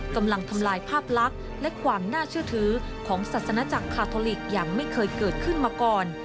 กำลังทำลายภาพลักษณ์และความน่าเชื่อถือของศาสนาจักรคาทอลิกอย่างไม่เคยเกิดขึ้นมาก่อน